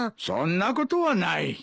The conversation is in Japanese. そんなことはない。